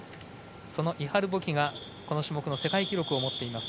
そのイハル・ボキがこの種目の世界記録を持っています。